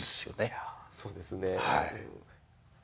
いやそうですね。